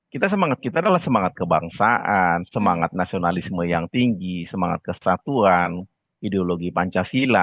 kita semangat kita adalah semangat kebangsaan semangat nasionalisme yang tinggi semangat kesatuan ideologi pancasila